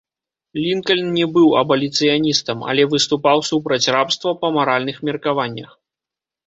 Лінкальн не быў абаліцыяністам, але выступаў супраць рабства па маральных меркаваннях.